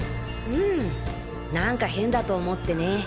うん何か変だと思ってね。